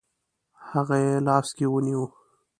هغه یې لاس کې ونیوه.